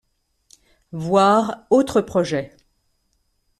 Voir autres projets.